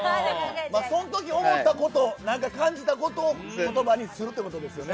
そのとき思ったこと、何か感じたことをことばにするってことですよね？